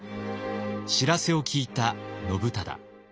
知らせを聞いた信忠。